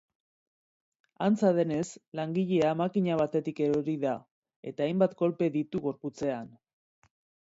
Antza denez, langilea makina batetik erori da eta hainbat kolpe ditu gorputzean.